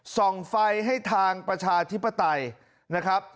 ส่องไฟให้ทางประชาธิปไตยนะครับ